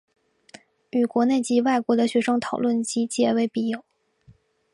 与国内及外国的学生讨论及结为笔友。